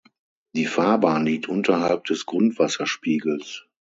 Die Fahrbahn liegt unterhalb des Grundwasserspiegels.